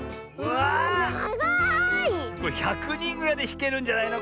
これ１００にんぐらいでひけるんじゃないの？